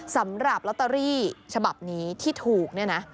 สำหรับลอตเตอรี่ฉบับนี้ที่ถูกเนี่ยนะ